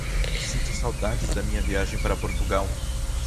Sinto saudades da minha viagem para Portugal.